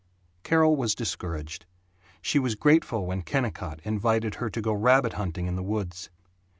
Carol was discouraged. She was grateful when Kennicott invited her to go rabbit hunting in the woods.